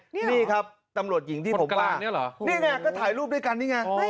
นี่ครับตำรวจหญิงที่ผมว่านี่ไงก็ถ่ายรูปด้วยกันนี่ไง